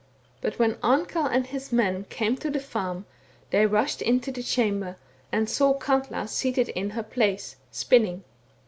But when Amkell and his men came to the farm^ they rushed into the chamber, and saw Katla seated in her place, spinning.